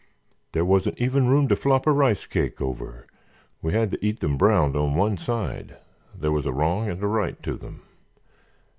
There wasn't even room to flop a rice cake over—we had to eat them browned on one side—there was a wrong and a right to them.